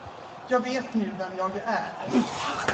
Jag vet nu vem jag är.